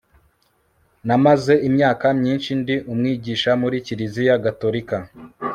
NAMAZE imyaka myinshi ndi umwigisha muri Kiliziya Gatolika